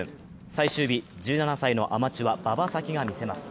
最終日、１７歳のアマチュア・馬場咲希が見せます。